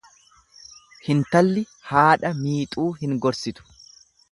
Hintalli haadha miixuu hin gorsitu.